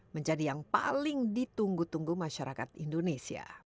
menjadi yang paling ditunggu tunggu masyarakat indonesia